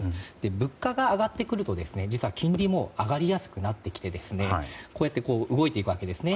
物価が上がってくると実は金利も上がりやすくなってきてこうやって動いていくわけですね。